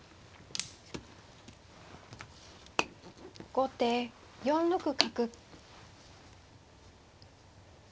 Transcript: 後手４六角。